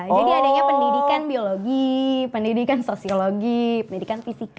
jadi adanya pendidikan biologi pendidikan sosiologi pendidikan fisika